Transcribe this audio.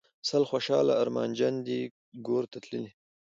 سل خوشحاله ارمانجن دي ګورته تللي